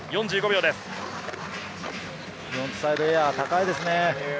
フロントサイドエア、高いですね。